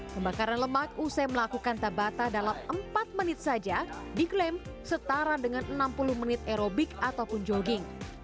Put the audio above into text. pembakaran lemak usai melakukan tabata dalam empat menit saja diklaim setara dengan enam puluh menit aerobik ataupun jogging